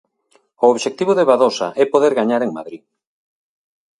O obxectivo de Badosa é poder gañar en Madrid.